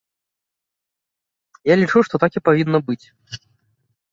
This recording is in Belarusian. Я лічу, што так і павінна быць.